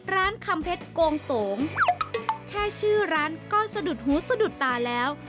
ร้านคำเพชรโกงโตงแค่ชื่อร้านก็สะดุดหูสะดุดตาแล้ว